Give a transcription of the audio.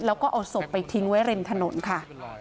แล้วก็เอาศพไปทิ้งไว้ริมถนนค่ะ